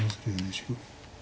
白。